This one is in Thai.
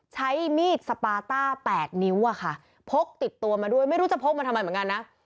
ใช้มีดสปาต้า๘นิ้วอะค่ะพกติดตัวมาด้วยไม่รู้จะพกมาทำไมเหมือนกันนะ